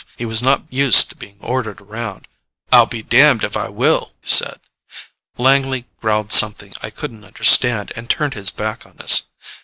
He was not used to being ordered around. "I'll be damned if I will," he said. Langley growled something I couldn't understand, and turned his back on us.